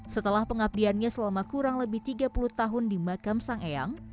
setelah pengabdiannya selama kurang lebih tiga puluh tahun di makam sang eyang